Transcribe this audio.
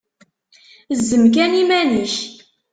Zzem kan iman-ik!